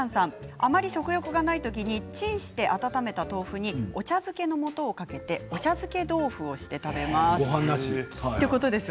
あまり食欲がないときにチンして温めた豆腐にお茶漬けのもとかけてお茶漬け豆腐にして食べていますということです。